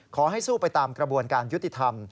ขอให้สู้ไปตามกระบวนการยุติธรรม